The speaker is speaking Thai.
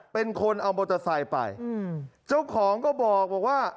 เป็นคนเอาบทสายไปอืมเจ้าของก็บอกว่า